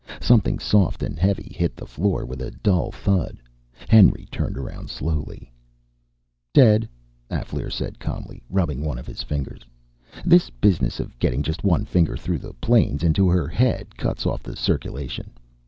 Something soft and heavy hit the floor with a dull thud. Henry turned around slowly. "Dead," Alféar said calmly, rubbing one of his fingers. "This business of getting just one finger through the planes into her head cuts off the circulation.